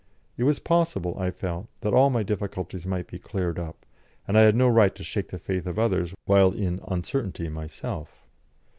It was possible, I felt, that all my difficulties might be cleared up, and I had no right to shake the faith of others while in uncertainty myself.